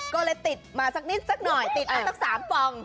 ก็เลยติดมาสักนิดสักหน่อยติดมาสัก๓ฟอง